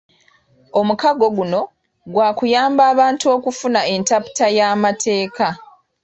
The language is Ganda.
Omukago guno gwakuyamba abantu okufuna entaputa y'amateeka